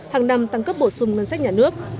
hàng năm tăng cấp bổ sung ngân sách nhà nước